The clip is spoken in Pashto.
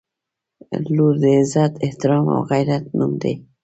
• لور د عزت، احترام او غیرت نوم دی.